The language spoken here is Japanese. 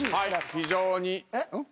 非常に。